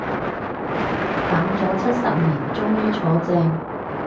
等咗七十年終於坐正